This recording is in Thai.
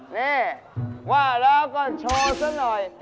นี่ว่าแล้วก็โชว์ซะหน่อย